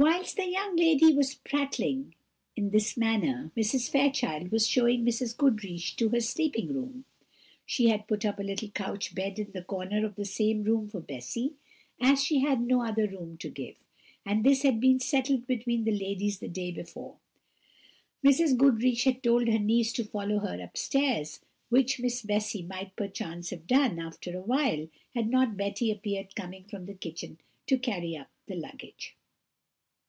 Whilst the young lady was prattling in this manner, Mrs. Fairchild was showing Mrs. Goodriche to her sleeping room. She had put up a little couch bed in the corner of the same room for Bessy, as she had no other room to give; and this had been settled between the ladies the day before. Mrs. Goodriche had told her niece to follow her upstairs, which Miss Bessy might perchance have done, after a while, had not Betty appeared coming from the kitchen to carry up the luggage.